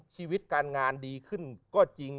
ชีวิตการงานดีขึ้นก็จริง